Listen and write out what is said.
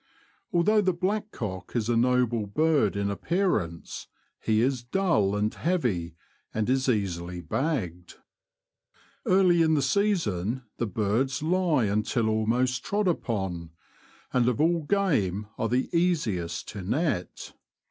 Although the blackcock is a noble bird in appearance, he is dull and heavy, and is easily bagged. Early in the season the birds lie until almost trod upon, and of all game are the easiest to net.